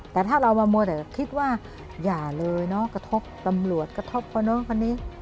แต่ถ้าเราเอามามวลแต่คิดว่าอย่าเลยเนอะกระทบตำรวจกระทบเขาเนอะพอนี้